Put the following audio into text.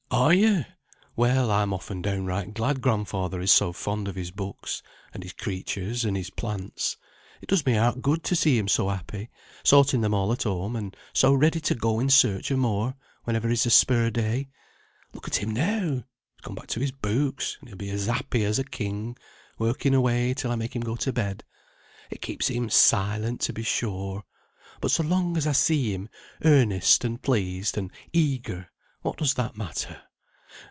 "Are you! Well, I'm often downright glad grandfather is so fond of his books, and his creatures, and his plants. It does my heart good to see him so happy, sorting them all at home, and so ready to go in search of more, whenever he's a spare day. Look at him now! he's gone back to his books, and he'll be as happy as a king, working away till I make him go to bed. It keeps him silent, to be sure; but so long as I see him earnest, and pleased, and eager, what does that matter?